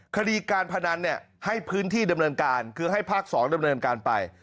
คดีการพนันให้พื้นที่ดำเนินการคือให้ภาค๒ดำเนินการไป